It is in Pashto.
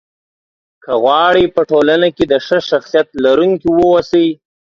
که غواړئ! په ټولنه کې د ښه شخصيت لرونکي واوسی